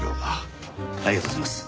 ありがとうございます。